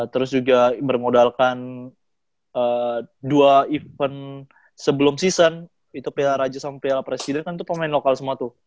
terus juga bermodalkan dua event sebelum season itu piala raja sama piala presiden kan itu pemain lokal semua tuh